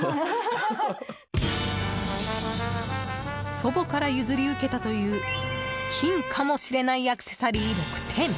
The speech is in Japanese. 祖母から譲り受けたという金かもしれないアクセサリー６点。